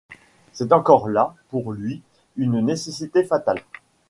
C’est encore là pour lui une nécessité fatale.